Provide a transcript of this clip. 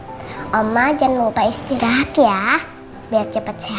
dia banyak cuma bisik di salty sol true fuck girl